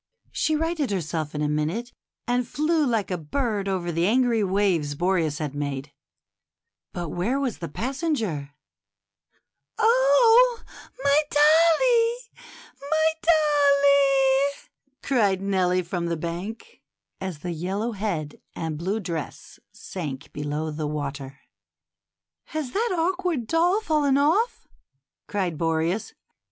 She righted herself in a minute, and flew like a bird over the angry waves Boreas had made ; but where was the passenger ? Oh, my dollie, my dollie !" cried Nellie from the bank, A WINDY STORY. 91 as the yellow head and blue dress sank below the water. "oh, my DOLLIE, my DOLLIE!" cried NELLIE. ''Has that awkward doll fallen off?" cried Boreas.